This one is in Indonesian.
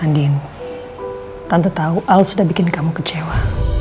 tante tahu al sudah bikin kamu kecewa